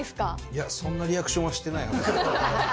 いやそんなリアクションはしてないはず。